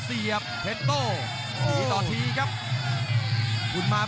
กรรมการเตือนทั้งคู่ครับ๖๖กิโลกรัม